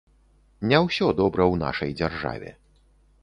Не ўсё добра ў нашай дзяржаве.